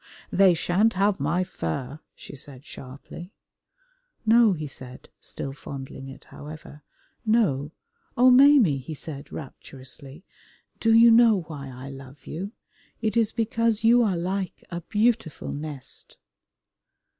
"They sha'n't have my fur," she said sharply. "No," he said, still fondling it, however, "no! Oh, Maimie," he said rapturously, "do you know why I love you? It is because you are like a beautiful nest."